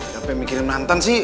siapa yang mikirin mantan sih